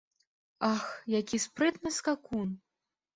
Ах, які спрытны скакун!